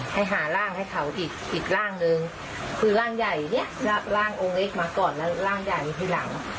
ให้หาร่างให้เขาอีกอีกร่างหนึ่งคือร่างใหญ่เนี่ยลากร่างองค์เล็กมาก่อนแล้วร่างใหญ่ทีหลัง